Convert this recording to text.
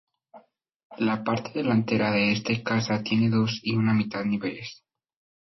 La parte delantera de este casa tiene dos y una mitad niveles.